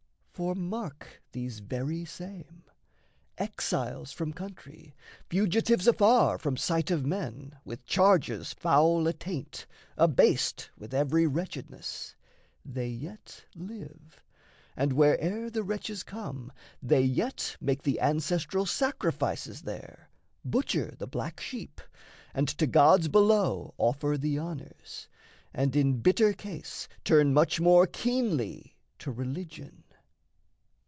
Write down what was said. For mark these very same: Exiles from country, fugitives afar From sight of men, with charges foul attaint, Abased with every wretchedness, they yet Live, and where'er the wretches come, they yet Make the ancestral sacrifices there, Butcher the black sheep, and to gods below Offer the honours, and in bitter case Turn much more keenly to religion.